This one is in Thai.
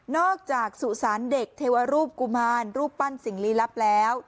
จากสุสานเด็กเทวรูปกุมารรูปปั้นสิ่งลี้ลับแล้ว